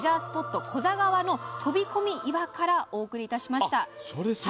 古座川の飛び込み岩からお送りいたしました。